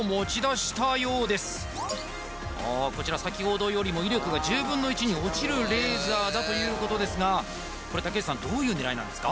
先ほどよりも威力が１０分の１に落ちるレーザーだということですがこれ竹内さんどういう狙いなんですか？